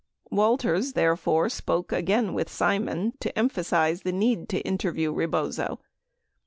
Walters, therefore, spoke again with Simon to emphasize the need to interview Rebozo.